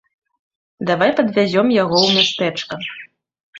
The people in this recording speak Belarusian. Давай падвязём яго ў мястэчка.